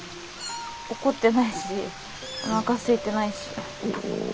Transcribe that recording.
怒ってないしおなかすいてないし。